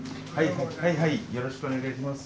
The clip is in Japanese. はいはいよろしくお願いします。